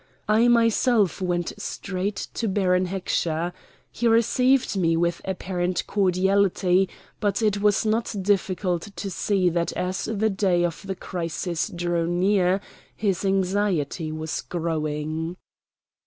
I myself went straight to Baron Heckscher. He received me with apparent cordiality; but it was not difficult to see that as the day of the crisis drew near his anxiety was growing.